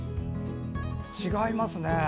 違いますね。